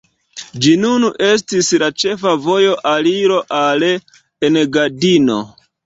Ĝi nun estis la ĉefa voja aliro al Engadino.